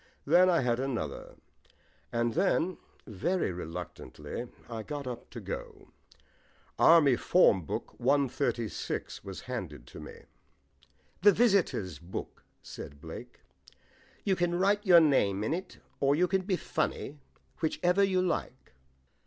Then I had another. And then, very reluctantly, I got up to go. Army Form Book 136 was handed to me. "The visitors' book," said Blake. "You can just write your name in it, or you can be funny, whichever you like."